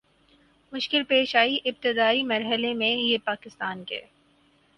مشکل پیش آئی ابتدائی مر حلے میں یہ پاکستان کے